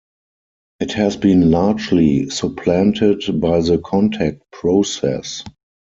It has been largely supplanted by the contact process.